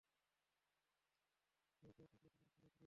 তাহলে ভিতরে কেউ না থাকলে, তোমরা ঘর পুড়িয়ে দিবে?